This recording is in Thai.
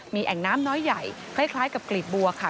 มีแอ่งน้ำน้อยใหญ่คล้ายกับกลีบบัวค่ะ